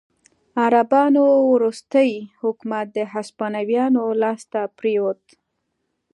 عربانو وروستی حکومت د هسپانویانو لاسته پرېوت.